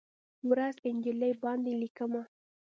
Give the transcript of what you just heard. ورځ، نجلۍ باندې لیکمه